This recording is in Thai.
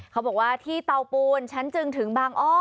เขาบอกว่าที่เตาปูนฉันจึงถึงบางอ้อ